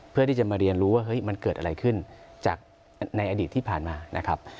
เพื่อที่จะมาเรียนรู้ว่าเฮ้ยมันเกิดอะไรขึ้นจากในอดีตที่ผ่านมานะครับ